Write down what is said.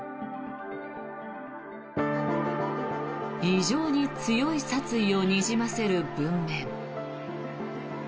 以上に強い殺意をにじませる文面。